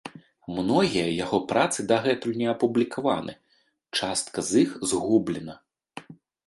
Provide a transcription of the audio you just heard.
Многія яго працы дагэтуль не апублікаваны, частка з іх згублена.